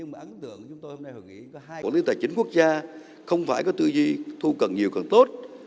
bộ lưu tài chính quốc gia không phải có tư duy thu cần nhiều cần tốt